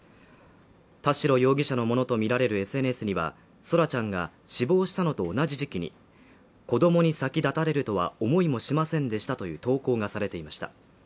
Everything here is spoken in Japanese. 田代容疑者のものとみられるＳＮＳには、空来ちゃんが死亡したのと同じ時期に子供に先立たれるとは思いもしませんでしたという投稿がされていました。